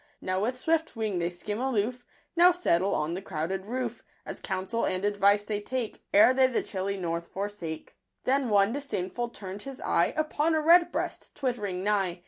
Now with swift wing they skim aloof, Now settle on the crowded roof, As council and advice they take, Ere they the chilly north forsake. 10s ■ Jl_.lL Then one disdainful turn'd his eye Upon a Redbreast twitt'ring nigh